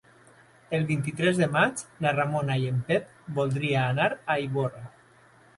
El vint-i-tres de maig na Ramona i en Pep voldria anar a Ivorra.